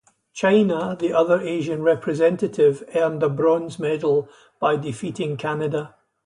China, the other Asian representative, earned a bronze medal by defeating Canada.